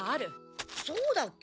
そうだっけ？